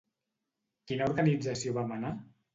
Quina organització va menar?